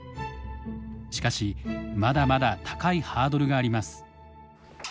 しかしまだまだ高いハードルがあります。